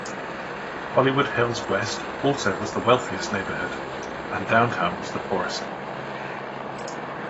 Hollywood Hills West also was the wealthiest neighborhood, and Downtown was the poorest.